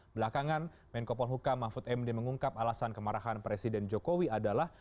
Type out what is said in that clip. belakangan menko polhuka mahfud md mengungkap alasan kemarahan presiden jokowi adalah